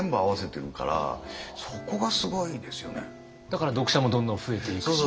だから読者もどんどん増えていくし。